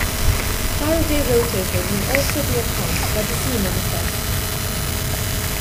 Faraday rotators may be enhanced by the Zeeman effect.